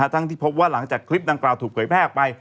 ที่พบว่าหลังจากคลิปดังกล่าวถูกเผยแพร่ออกไป